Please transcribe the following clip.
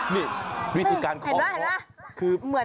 นี่วิธีการคลอบคือ